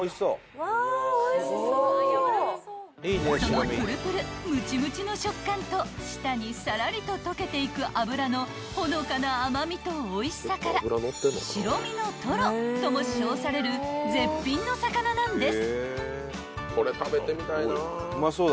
［そのぷるぷるむちむちの食感と舌にさらりと溶けていく脂のほのかな甘味とおいしさから白身のとろとも称される絶品の魚なんです］